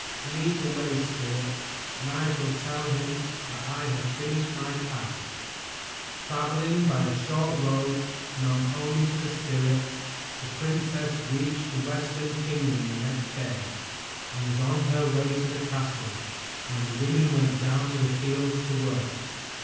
"Lead the way, Spirit, and I shall tell him that I have finished my task." Traveling by a short road known only to the Spirit, the princess reached the Westland Kingdom the next day, and was on her way to the castle when the women went down to the fields to work.